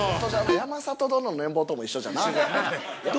◆山里殿の年俸とも一緒じゃな。